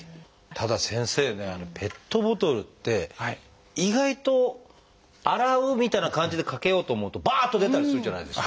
ただ先生ねペットボトルって意外と洗うみたいな感じでかけようと思うとばっと出たりするじゃないですか。